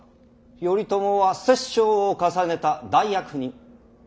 頼朝は殺生を重ねた大悪人。